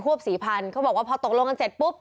ฮวบ๔๐๐๐ก็บอกว่าพอตกลงกันเสร็จปุ๊บ